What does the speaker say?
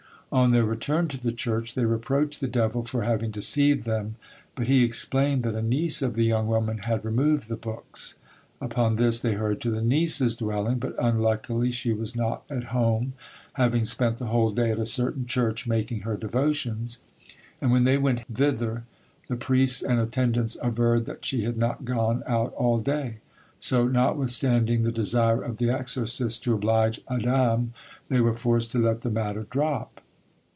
On their return to the church, they reproached the devil for having deceived them, but he explained that a niece of the young woman had removed the books. Upon this, they hurried to the niece's dwelling, but unluckily she was not at home, having spent the whole day at a certain church making her devotions, and when they went thither, the priests and attendants averred that she had not gone out all day; so notwithstanding the desire of the exorcists to oblige Adam they were forced to let the matter drop.